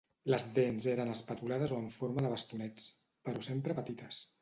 Les dents eren espatulades o en forma de bastonets però sempre petites.